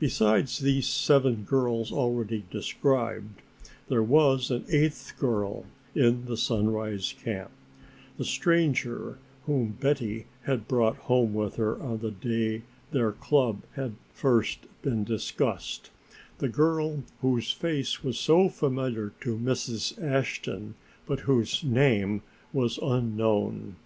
Besides these seven girls already described, there was an eighth girl in the Sunrise camp, the stranger whom Betty had brought home with her on the day their club had first been discussed the girl whose face was so familiar to Mrs. Ashton but whose name was unknown.